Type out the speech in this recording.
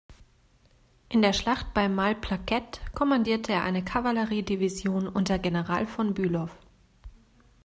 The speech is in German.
In der Schlacht bei Malplaquet kommandierte er eine Kavallerie-Division unter General von Bülow.